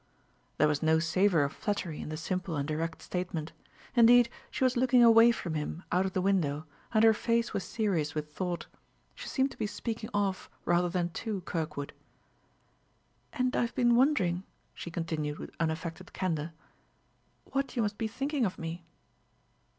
There was no savor of flattery in the simple and direct statement; indeed, she was looking away from him, out of the window, and her face was serious with thought; she seemed to be speaking of, rather than to, Kirkwood. "And I have been wondering," she continued with unaffected candor, "what you must be thinking of me."